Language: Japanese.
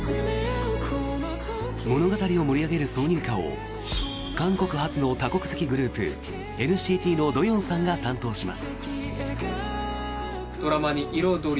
物語を盛り上げる挿入歌を韓国発の多国籍グループＮＣＴのドヨンさんが担当します。